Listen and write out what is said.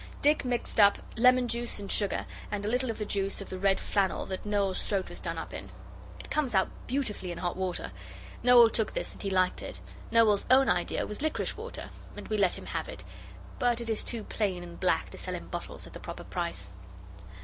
Dick mixed up lemon juice and sugar and a little of the juice of the red flannel that Noel's throat was done up in. It comes out beautifully in hot water. Noel took this and he liked it. Noel's own idea was liquorice water, and we let him have it, but it is too plain and black to sell in bottles at the proper price.